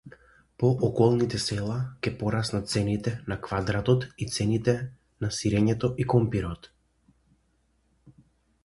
По околните села ќе пораснат цените на квадратот и цените на сирењето и компирот.